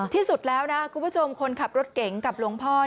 ที่สุดแล้วนะคุณผู้ชมคนขับรถเก๋งกับหลวงพ่อ